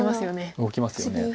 動きますよね。